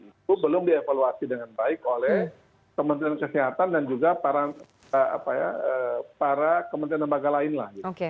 itu belum dievaluasi dengan baik oleh kementerian kesehatan dan juga para kementerian lembaga lain lah